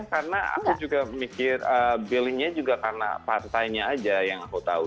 karena aku juga mikir billingnya juga karena partainya aja yang aku tahu